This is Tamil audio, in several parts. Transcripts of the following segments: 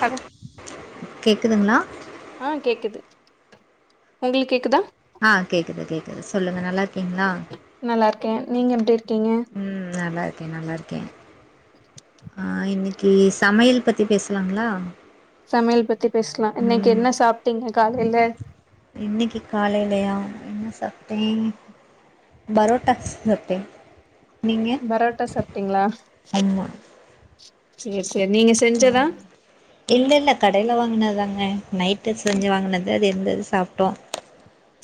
ஹலோ கேக்குதுங்களா ஆ கேக்குது உங்களுக்கு கேக்குதா ஆ கேக்குது கேக்குது சொல்லுங்க நல்லா இருக் கிங்களா நல்லா இருக்கே நீங்க எப்டி இருக்கீங்க ம் நல்லா இரு க்கே நல்லா இருக்கே ஆ இன்னைக்கு சமையல் பத்தி பேசலாங்களா சமையல் பத்தி பேசலா இன்னைக்கு ம் என்ன சாப்ட்டீங்க காலைல இன்னைக்கு காலைலேயா என்ன சாப்ட்டே பரோட்டா ‌சாப்டே பரோட்டா சாப்ட்டிங்களா ஆமா சேர் சேரி நீங்க செஞ்சதா இல்ல இல்ல கடைல வாங்கினதுதாங்க நைட்டு செஞ்சு வாங்கினது அது இருந்தது சாப்டோ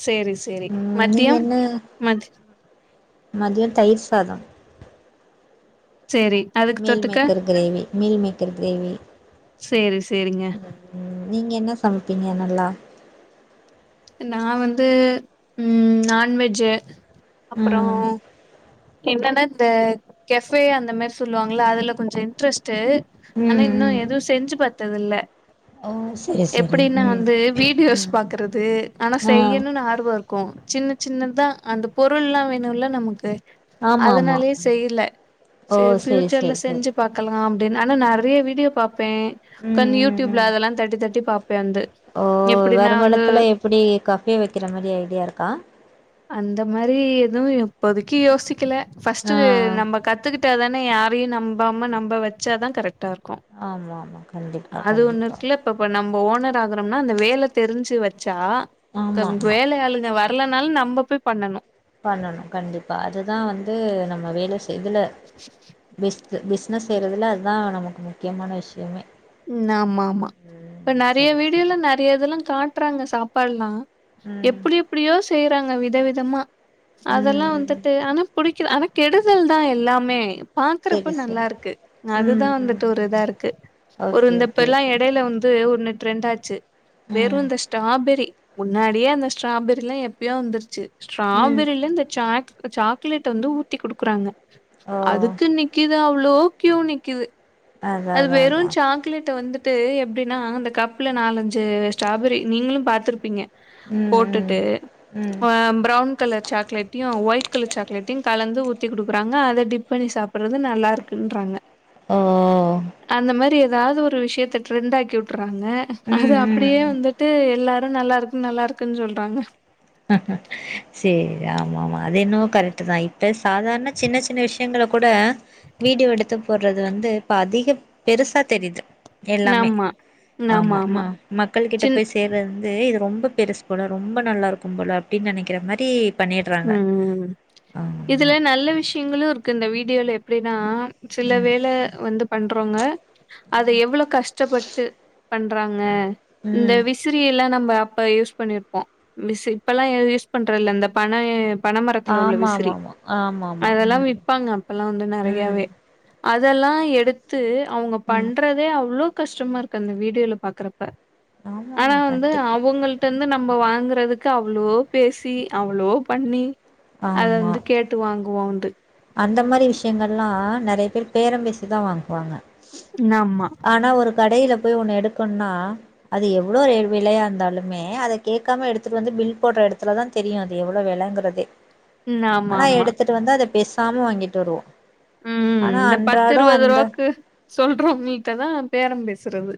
சேரி சேரி மத்தியம் மத் மதியம் தயிர் சாதம் சேரி அதுக்கு மீல் தொட்டுக்க maker gravy meal maker gravy சேரி சேரிங்க ம் நீங்க என்ன சமைப்பீங்க நல்லா நா வந்து ம் நான்வெஜ்ஜூ அப்புறோ ம் என்னன்னா இந்த கெப்ஃபே அந்த மாரி சொல்லுவாங்களா அதுல கொஞ்ச இன்ட்ரெஸ்ட் ட்டு ஆனா ம் இன்னு ம் எதுவு செஞ்சு பாத்தது இல்ல ஓ சரி சரி எப்படின்னா ம் வந்து வீடியோஸ் ம் பாக்குறது ஆனா ஆ செய்யணுனு ஆர்வோ இருக்கு சின்ன சின்னதா அந்த பொருள்ளா வேணுல்ல நமக்கு ஆமா ஆமா அதனாலே செய்யில ஓ செரி சரி ஃபியூச்சர்ல சரி சரி செஞ்சு பாக்கலாம் அப்டின் ஆனா நெறைய வீடியோ பாப்பே ம் ஒக்காந்து ம் யூட்யூப்ல ம் அதெல்லா தட்டி தட்டி பாப் ஓ வருங்காலத்துல எப்டி காஃபே வக்கிற மாரி ஐடியா இருக்கா அந்த மாரி எதுவு இப்போதைக்கு யோசிக்கல ஃபஸ்ட்டு ஆ நம்ம கத்துக்கிட் ட்டாதானே யாரையு நம்பாம நம்ப வச்சாதா கரெக்ட் டா இருக்கு ஆமா ஆமா கண்டிப்பா அது ஒன்னு கண்டிப்பா இருக்குல இப்பப்ப நம் இப்போ ஓனர் ஆகுறம்னா அந்த வேல தெரிஞ்சு வச்சா ஆமா கம் ஆமா வேலையாளுங்க வர் வர்லனாலு நம்ப போய் பண்ணனு பண்ணனு கண்டிப்பா அதுதா வந்து நம்ம வேல செய்துல பெஸ்ட் இது பிஸ்னஸ் செய்றதுல அதுதா நமக்கு முக்கியமான விஷ்யமே ம் ஆமாம்மா இப்ப நெறைய சரி சரி வீடியோல்ல நெறைய இதெல்லா காட்றாங்க சாப்பாட்லா ம் எப்டி எப்டியோ செய்றாங்க வித் தவிதமா அதெல்லா ம் வந்துட்டு ஆனா புடிக்கு ஆனா கெடுதல் தா எல்லாமே பாக்குறப்ப சரி நல்லா சரி இருக்கு ம் அதுதா ம் வந்துட்டு ஒரு இதா ம் இருக்கு ஒரு ஓகே இந்த ஓகே இப்பெல்லா ஓகே எடைல வந்து ஒன்னு ட்ரெண்ட் ஆச்சு வெறு ம் இந்த ஸ்டாபெரி முன்னாடியே அந்த ஸ்ட்ராபெரிலா எப்பயோ வந்துருச்சு ம் ஸ்ட்ராபெரில இந்த சாக் அ சாக்லேட்ட வந்து ஊத்தி குடுக்குறாங்க ஓ அதுக்கு நிக்கிது அவ் ஃப்ளோக்யு நிக்கிது அதா அது அதா வெறு அதா சாக்லேட்ட வந்து ட்டு எப்டினா அந்த கப்ல நாலஞ்சு ஸ்ட்ராபெரி நீங்களு பாத்துருப்பீங்க ம் ம் போட்டுட்டு ம் அ ப்ரௌன் கலர் சாக்லேட்டையு ஒயிட் யிட்கவர்‌ சாக்லேட்டையு கலந்து ஊத்தி குடுக்குறாங்க அத டிப் பண்ணி சாப்புட்றது நல்லா இருக்குன்றாங்க ஓ அந்த மாரி எதாவ்து ஒரு விஷ்யத்த ட்ரெண்டாக்கி விட்டு ட்றாங்க அது ம் அப்டியே ம் வந்துட்டு எல்லாரு நல்லா இருக்கு நல்லா இருக்குன் சொல்றாங்க சேரி ஆமாம்மா அது என்னவோ கரக்ட்டு தா இப் ட்டு சாதார்ண சின்ன சின்ன விஷ்யங்கள கூட வீடியோ எடுத்து போட்றது வந்து இப்ப அதிக பெருசா தெரியுது எல்லாமே ஆமா. ஆமா மா மக்கள் கிட்ட சின் போய் சேர்றது வந்து இது ரொம் ம்ப பெருசு போல ரொம்ப நல்லா இருக்கும் போல அப்டின் நெனைக்கிற மாரி பண்ணிடுறாங்க ம் ம் இதுல ஆமா நல்ல விஷ்யங்களு இருக்கு இந்த வீடியோல எப்டினா சில ம் வேல வந்து பண்றவ்ங்க அத எவ்ளோ கஷ்டப்பட்டு பண்றாங்க இந்த ம் விசிறியெல்லா நம்ப இப்ப யூஸ் பண்ணிருப்போ மிஸ்ஸு இப்பெல்லா ஏ யூஸ் பண்றதில்ல இந்த பனயே பனமரத்துல உள்ள ஆமா விசிறி ஆமா ஆமா ஆமா ஆமா அதெல்லா ம் விப்பாங்க அப்பலா வந்து ம் நெறையாவே அதெல்லா எடுத்து அவ்ங்க ம் பண்றதே அவ்ளோ கஷ்டமா இருக்கு அந்த வீடியோல பாக்கறப்ப ஆமா ஆனா ஆமா வந்து கண்டிப்பா அவுங்கள்ட்ட இருந்து நம்ப வாங்குறதுக்கு அவ்ளோ பேசி அவ்ளோ பண்ணி அத ஆமா வந்து கேட்டு வாங்குவோண்டு அந்த மாரி விஷ்யங்கள்லா நெறைய பேரு பேரம் பேசிதா வாங்குவாங்க இன்னாமா கடைல போய் ஒன்னு எடுக்கணுனா அது எவ்ளோ ரே விலையா இருந்தாலுமே அத கேக்காம எடுத்துட்டு வந்து பில் போட்ற எடத்துலதா தெரியு அது எவ்ளோ வெலங்கிறதே ஆமா ஆனா ஆமா எடுத்துட்டு வந்து அத பேசாம வாங்கிட்டு வருவோ ம் ஆனா இந்த பத்து அன்றாடோ இருவது அந்த ரூவாக்கு சொல்றவ்ங்கள்ட்ட தா பேரம் பேசுறது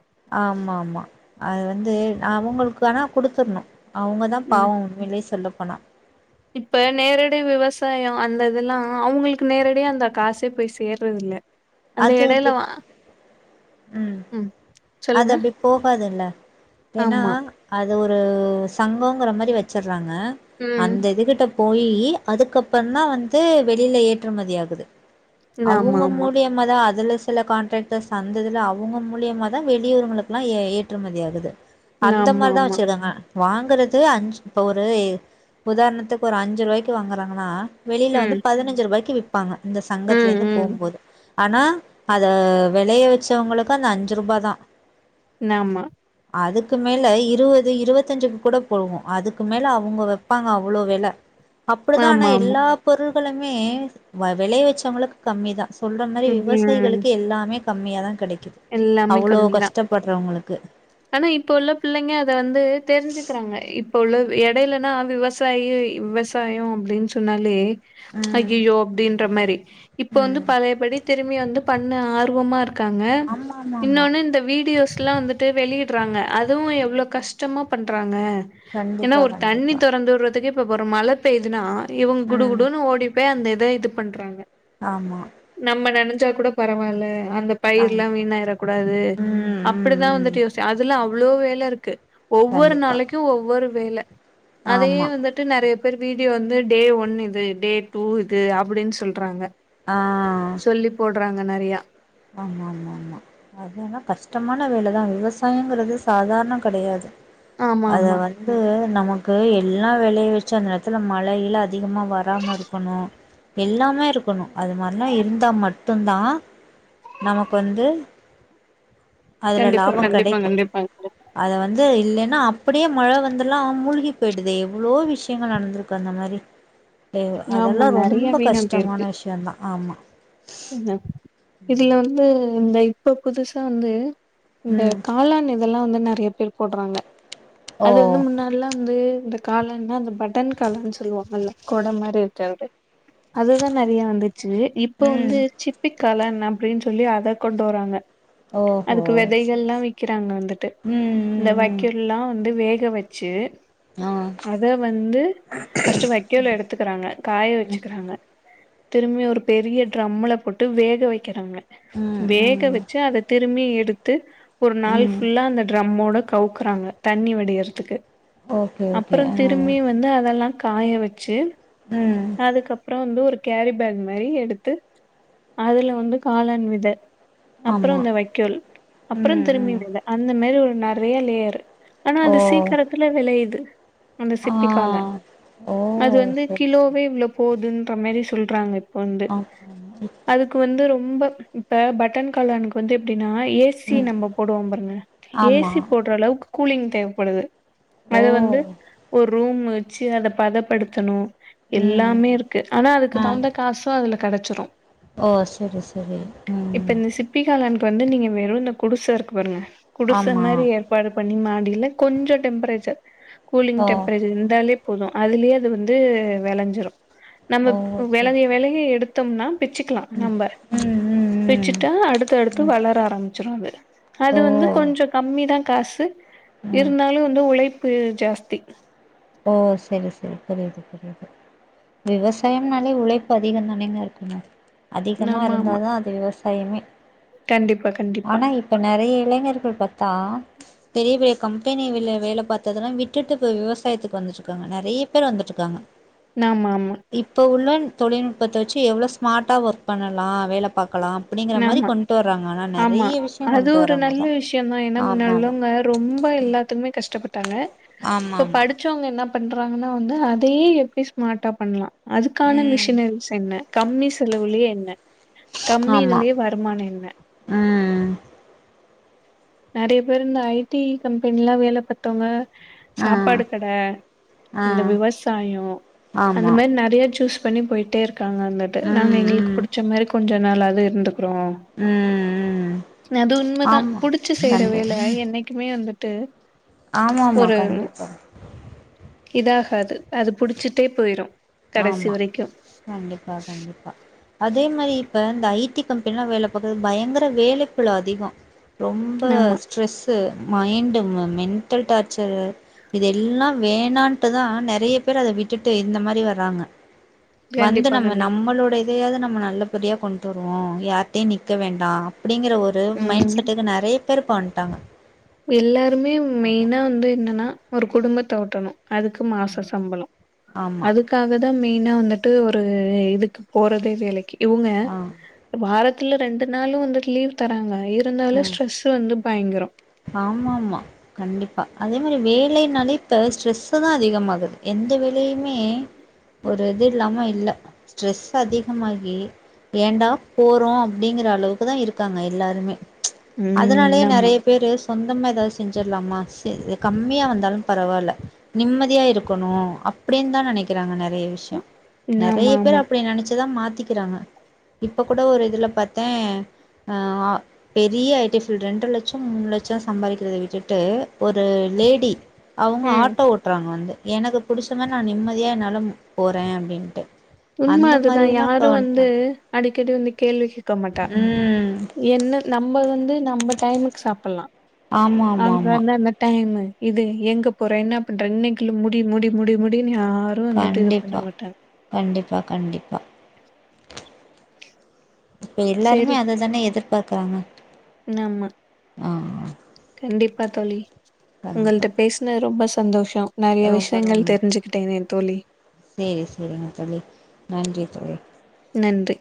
அவுங்களுக்கு ஆனா குடுத்துர்னு அவ்ங்க தா ம் பாவ உண்மைலே சொல்லப்போனா இப்ப நேரடி விவசாய அந்த இதெல்லா அவுங்களுக்கு நேரடியா அந்த காசே போய் சேர்றதில்ல அந்த அது எடைல அப்டி வா ம் அது சொல்லுங்க அப்டி போகாதுல்ல ஏனா ஆமா அ து ஒரு சங்கோங்கிற மாரி வச்சிட்றாங்க ம் அந்த இது கிட்ட போயி யி அதுக்கப்பறந்தா வந்து வெளில ஏற்றுமதி ஆகுது நாமாம்மா தே மார்தா அதுல சில கான்ட்ராக்டர்ஸ் அந்ததுல அவுங்க மூலியமா தா வெளியுறங்களுக்குலா ஏ ஏற்றுமதியாகுது அந்த ஆமா மாதிரிதான் ஆமா வச்சிருக்காங்க வாங்குறது அஞ்சு ஒரு உதாரணத்துக்கு ஒரு அஞ்சு ரூபாய்க்கு வாங்குறாங்கன்னா வெளில வந்து ம் பதினஞ்சு ரூபாய்க்கு விற்ப்பாங்க இந்த ம் சங்கத்திலேந்து ம் போம் போது ஆனா அத விளைய வச்சவங்களுக்கு அந்த அஞ்சு ரூபா தான் நமா அதுக்கு மேல இருவது இருவத்தஞ்சு கூட போடுவோம் அதுக்கு மேல அவங்க வைப்பாங்க அவ்ளோ வெல அப்படிதான் ஆனா ஆமா ஆமா எல்லா பொருள்களுமே வ விளைய வச்சவங்களுக்கு கம்மி தான் சொல்ற மாரி ம் விவசாயிகளுக்கு எல்லாமே கம்மியா தான் கிடைக்குது எல்லாமே அவ்வளோ கம்மிதா கஷ்டப்படுறவங்களு ஆனா இப்ப உள்ள பிள்ளைங்க அத வந்து தெரிஞ்சுக்கிறாங்க இப் ப்ப உள்ள இடையிலன்னா விவசாயி விவசாயம் அப்டின்னு சொன்னாலே ம் அய்யயோ அப்டின்ற மாரி இப்ப வந்து ம் பழையபடி திரும்பி வந்து பண்ண ஆர்வமா இரு க்காங்க ஆமா ஆமா ஆமா இன்னொன்னு இந்த வீடியோஸ் எல்லாம் வந்துட்டு வெளியிடுறாங்க அதுவும் எவ்ளோ கஷ்டமா பண்றாங்க ஏன்னா கண்டிப்பா ஒரு தண்ணி கண்டிப்பா திறந்து விடுறத்துக்கு இப்ப ஒரு மழ பெய்யுதுன்னா இவங்க குடு ம் குடுன்னு ஓடி போய் அந்த இத இது பண்றாங்க ஆமா நனஞ்சாக் கூட பரவாயில்ல அந்த ஆமா பயிரலாம் வீணாயிறக்கூடாது ம் ம் அப்டிதான் ம் வந்துட்டு யோசுசன் அதல்லா அவ்ளோ வேல இருக்கு ஒவ்வொரு கண்டிப்பா நாளைக்கும் ஒவ்வொரு வேல அதையே ஆமா வந்துட்டு நிறை பேர் வீடியோ வந்து டே ஒன் இது டே டூ இது அப்டின்னு சொல்றாங்க ஆ சொல்றாங்க நிறைய ஆமா மா மா அதலா கஷ்டமான வேலதான் விவசாயங்கறது சாதாரணம் கிடையாது ஆமா அத ஆமா வந்து நமக்கு எல்லா விளைய வ ச்ச நேரத்தில மழையில அதிகமா வராமா இருக்கணும் எல்லாமே இருக்கணும் அது மாரிலா இருந்தா மட்டும் தா நமக்கு வந்து அதுல கண்டிப்பா லாபம் கண்டிப்பா கிடைக்கும் கண்டிப்பா அத வந்து இல்லைன்னா அப்டியே மழை வந்தெல்லாம் மூழ்கி பேயிடுதே எவ்ளோ விஷயங்கள் நடந்திருக்கு அந்த மாரி [unintelligible] ஆமா அதெல்லாம் நெறைய ரொம்ப கஷ்டமான விஷயம் தான் ஆமா இதா இதுல வந்து இந்த இப்ப புதுசா வந்து இந்த ம் காளான் இதெல்லாம் வந்து நெறைய பேர் போட்றாங்க ஓ அது வந்து முன்னாட்லா வந்து இந்த காளான்னா அந்த பட்டன் காளான்னு சொல்லுவாங்கல்ல கொட மாரி இருக்கறது அதுதா நெறைய வந்துச்சு இப்போ வந்து ம் சிப்பிக் காளான் அப்டின்னு சொல்லி அத கொண்டு வராங்க ஓஹோ அதுக்கு சரி விதைகள்லாம் சரி விக்கிறாங்க வந்துட்டு ம் இந்த ம் ம் வைக்கெல்லாம் வந்து வே க வச்சு ஆ அத வந்து ஃபஸ்ட்டு வைக்கோல எடுத்துக்கிறாங்க காய ம் வச்சுக்கிறாங்க திரும்பி ஒரு பெரிய ட்ரம்முல போட்டு வேக வைக்கறாங்க ம் வேக ம் வச்சு அத திரும்பி எத் டுத்து ஒரு நாள் ம் ஃபுல்லா அந்த ட்ரம்மோட கவுக்குறாங்க தண்ணி வடியறதுக்கு ஓகே ஓகே ஆ அப்பறந்திரும்பி வந்து அதெல்லா காய வச்சு ம் அதுக்கப்பற வந்து ஒரு கேரி பேக் மாரி எடுத்து அதுல வந்து காளான் வித அப்பற ஆமா இந்த வைக்கோல் அப்பற ம் திரும்பி ம் வித அந்த மாரி ஒரு நெறைய லேயரு ஆனா ஓ அது சீக்கரத்துல வெளையுது அந்த ஆ சிற்பிக்காள ஓ அது வந்து சரி சரி கிலோவே இவ்வளோ போதுன்ற மாரி சொல்றாங்க இப்ப வந்து ஆம் அ அதுக்கு வந்து ரொம்ப இப்ப பட்டன் காளானுக்கு வந்து எப்டி ன்னா ஏ சி ம் நம்ம போடுவோம் பாருங்க ஏ ஆமா சி போட்ற அளவுக்கு கூலிங் தேவப்படுது ஓ அது வந்து ஒரு ரூம் வச்சு அத பதப்படுத்தணு ம் எல்லாமேருக்கு ஆனா அதுக்கு ஆ தகுந்த காசு அதுல கெடச்சுரு ஓ செரி செரி ம் ட்டு வந்து நீங்க வெறு இந்த குடிசருக்கு பாருங்க குடிச ஆமா மாரி ஏற்பாடு பண்ணி மா இல்ல கொஞ்சொ டெம்பரேச்சர் கூலிங் ஓ டெம்பரேச்சர் இர்ந்தாலே போது அதுலயே அது வந்து வெளஞ்சிரு நம்ம ஓ சரி வெளவி சரி வெளகி எடுத்தம்னா பிச்சுக்கலா ம் நம்ப ம் ம் பிச்சுட்டா ம் அடுத்தடுத்து ம் வளர ஆரம்பிச்சுரு அது அது ஓ வந்து கொஞ்சொ கம்மிதா காசு ம் இருந்தாலு வந்து உழைப்பு ஜாஸ்தி ஓ செரி செரி புரியுது புரியுது விவசாயம்னாலே உழைப்பு அதிகந்தானேங்க இருக்கணு அதிகமா ஆமா ஆமா இருந்தாதா அது விவசாயமே கண்டிப்பா கண்டிப்பா ஆனா இப்ப நெறைய இளைஞர்கள் பாத்தா பெரிய பெ கம்பெனிவில வேல பாத்ததல்லா விட்டுட்டு ப்ப விவசாயத்துக்கு வந்துட்ருக்காங்க நெறைய பேர் வந்துட்ருக்காங்க. ஆமா ஆமா இப்ப உள்ள தொழில்நுட்பத்த வச்சு எவ்ளோ ஸ்மார்ட்டா ஒர்க் பண்ணலா வேல பாக்கலா அப்புடிங்கிற மாரி ஆமா கொண்டு வர்றாங்க ஆனா ஆமா நெறைய விஷயம் அது கொண்டு வர்றாங்கதா ஆமாமா அ ரொம்ப எல்லாத்துக்குமே கஷ்டப்பட்டாங்க. இப்ப ஆமா ஆமா படிச்சவுங்க என்ன பண்றாங்ன்னா வந்து அதையே எப்டி ஸ்மார்ட்டா பண்ணலா அதுக்கான மிஷினரிஸ் என்ன கம்மி செலவுலே என்ன ம்மியிதுலே வருமான என்ன அ அ நெறைய பேர் இந்த ஐ டி கம்பெனில வேல பாத்தோங்க ஆ சாப்பாடு கட ஆ இந்த விவசாயோ அந்த ஆமா மாரி நெறைய சூஸ் பண்ணி போயிட்டேருக்காங்க வந்துட்டு நாங்க ம் எங்களுக்கு ம் புடிச்ச மாரி கொஞ்ச நாளாது இருந்து ப்றொ ம் ம் அது உண்மதா ஆமா புடிச்சு செய்ற வேல என்னை ட்டுமே வந்துட்டு ஆமாமா ஒரு கண்டிப்பா இதாகாது அது புடிச்சுட்டே போயிரு ஆமா கண்டிப்பா கண்டிப்பா அதே மாரி ப்ப இந்த ஐ டி கம்பெனிலா வேல பாக்கது பயங்கர வேலைப்பழு அதிகோ ரொம்ப ஆமா. ஸ்ட்ரெஸ் து மைண்டு ம மென்ட்டல் டார்ச்சரு இது எல்லா வேணான்ட்டுதா நெறைய பேர் அத விட்டுட்டு இந்த மாரி வர ராங்க வந்து கண்டிப்பா, நம்ம கண்டிப்பா. நம்மளுடை இதையாது நம்ம நல்லபடியா கொண்டு வருவோ யார்ட்டையு நிக்க வேண்டா அப்டிங்கிற ஒரு மைண்ட் ம். செட்டுக்கு நெறைய பேர் இப்ப வண்ட்டாங்க. எல்லாருமே மெயினா வந்து என்னனா ஒரு குடும்பத்த ஓட்டணு அதுக்கு மாச சம்பளோ ஆமா அதுக்காகதா மெயினா வந்துட்டு ஒரு இதுக்கு போறதே வேலைக்கு இவுங்க ஆ வாரத் துல ரெண்டு நாளு வந்து லீவ் தராங்க இருந்தாலு ஸ்ட்ரெஸ் வந்து பயங்கரொ ஆமா ஆமா கண்டிப்பா அதே மாரி வேலைனாலே இப்ப ஸ்ட்ரெஸ்தா அதிகமாகுது எந்த வேலையுமே ஒரு இது இல்லாம இல்ல ஸ்ட்ரெஸ் அதிகமாகி ஏடா போறோ அப்படிங்கற அளவுக்குதா இருக்காங்க எல்லாருமே ம் நாமா இது சொந்தமா எதாவது செஞ்சர்லாமா செ கம்மியா வந்தாலும் பரவால்ல நிம்மதியா இருக்கணு அப்டின்தா நெனைக்கிறாங்க நெறைய விஷ்யொ ம். நெறைய பேர் ஆமாமா. அப்டி நெனச்சுதா மாத் திக்குறாங்க இப்ப கூட ஒரு இதுல பாத்தே அ பெரிய ஐ டி ஃபீல்டு ரெண்டு லட் சம் மூணு லட்சம் சம்பாதிக்கிறத விட்டுட்டு ஒரு லேடி அவங்க ம். ஆட்டோ ஓட்டுறாங்க வந்து எனக்கு புடிச்ச மாரி நா நிம்மதியா என்னால மு போறே அப்டின்ட்டு உண்ம அந்த அதுதா மாரியெல்லா யாரு இப்ப வந்து வந்ட்டாங்க அடிக்கடி வந்து கேள்வி கேட்க மாட்டா ம் என்ன நம்ம வந்து நம்ம டைமுக்கு சாப்பலா ஆமா ஆமா ஆமா அங்கதா அந்த டைம் இது எங்க போற என்ன பண்ற இன்னைக்குல்ல முடி முடி முடி முடி ன் யாரு வந்துட்டு இது பண்ண மாட்டாங் ப்பா கண்டிப்பாக இப்ப எல்லாருமே அதைதானே எதிர்பார்க்குறாங்க நம்ம ஆ ஆஹ் கண்டிப்பா தோழி கண்டிப்பா உங்கள்ட்ட பேசுனதுல ரொம்ப சந்தோஷம் நிறைய ரொம்ப விஷயங்கள் ரொம்ப தெரிஞ்சுகிட்டேங்கே தோழி சேரி சேரிங்க தோழி நன்றி தோழி நன்றி